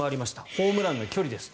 ホームランの距離です。